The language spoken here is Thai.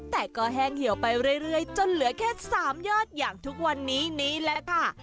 แต่ก็แห้งเหี่ยวไปเรื่อยจนเหลือแค่๓ยอดอย่างทุกวันนี้นี่แหละค่ะ